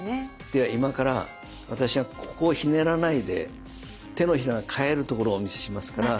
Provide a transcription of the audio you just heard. では今から私はここをひねらないで手のひらが返るところをお見せしますから。